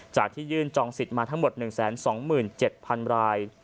ที่ยื่นจองสิทธิ์มาทั้งหมด๑๒๗๐๐ราย